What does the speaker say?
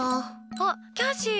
あ、キャシー。